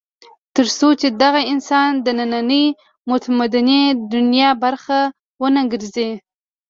تر څو چې دغه انسان د نننۍ متمدنې دنیا برخه ونه ګرځي.